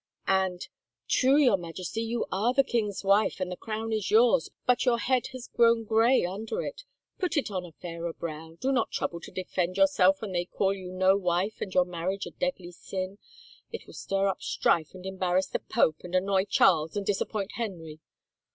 And, * True, your Majesty, you are the king's wife and the crown is yours, but your head has grown gray under it — put it on a fairer brow, do not trouble to defend yourself when they call you no wife and your marriage a deadly sin — it will stir up strife and embarrass the pope and annoy Charles and disappoint Henry.